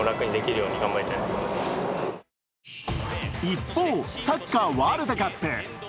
一方、サッカーワールドカップ。